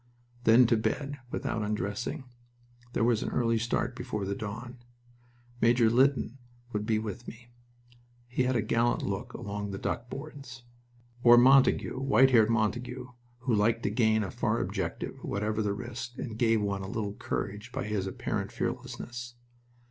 Then to bed, without undressing. There was an early start before the dawn. Major Lytton would be with me. He had a gallant look along the duckboards... Or Montague white haired Montague, who liked to gain a far objective, whatever the risk, and gave one a little courage by his apparent fearlessness.